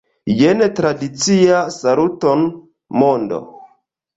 Jen tradicia Saluton, mondo!